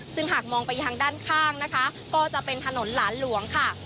ซึ่งหากมองไปทางด้านข้างนะคะก็จะเป็นถนนหลานหลวงค่ะ